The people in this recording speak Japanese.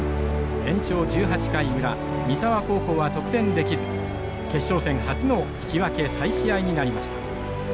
延長１８回裏三沢高校は得点できず決勝戦初の引き分け再試合になりました。